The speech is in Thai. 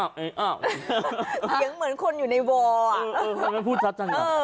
เสียงเหมือนคนอยู่ในวาร์